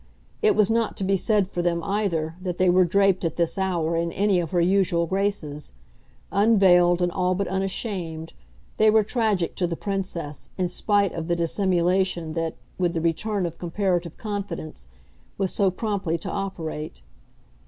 It was not to be said for them, either, that they were draped at this hour in any of her usual graces; unveiled and all but unashamed, they were tragic to the Princess in spite of the dissimulation that, with the return of comparative confidence, was so promptly to operate.